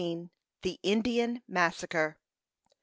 THE INDIAN MASSACRE.